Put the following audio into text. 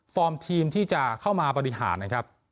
ทีมที่จะเข้ามาบริหารนะครับ